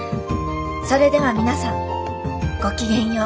それでは皆さんごきげんよう。